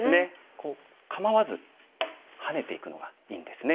こう構わずハネていくのがいいんですね。